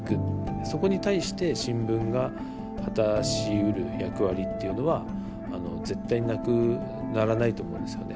そこに対して新聞が果たしうる役割っていうのは絶対なくならないと思うんですよね。